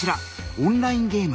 オンラインゲーム。